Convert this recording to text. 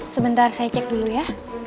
sebentar saya cek dulu ya